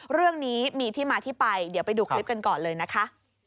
เรื่องนี้มีที่มาที่ไปเดี๋ยวไปดูคลิปกันก่อนเลยนะคะ